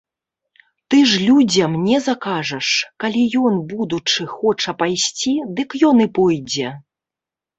Ты ж людзям не закажаш, калі ён, будучы, хоча пайсці, дык ён і пойдзе.